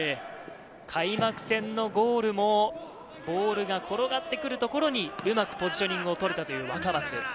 開幕戦のゴールもボールが転がってくるところにうまくポジショニングをとれたという若松。